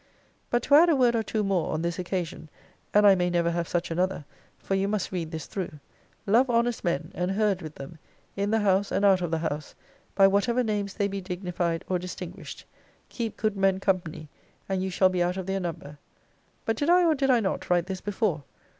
But to add a word or two more on this occasion; and I may never have such another; for you must read this through Love honest men, and herd with them, in the house and out of the house; by whatever names they be dignified or distinguished: Keep good men company, and you shall be out of their number. But did I, or did I not, write this before?